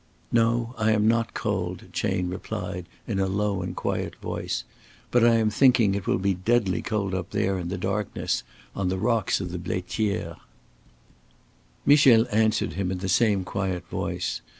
"No, I am not cold," Chayne replied, in a low and quiet voice. "But I am thinking it will be deadly cold up there in the darkness on the rocks of the Blaitiere." Michel answered him in the same quiet voice.